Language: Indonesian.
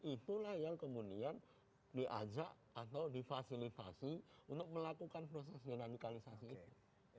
itulah yang kemudian diajak atau difasilitasi untuk melakukan proses deradikalisasi itu